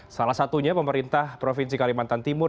salah satunya pemerintah provinsi kalimantan timur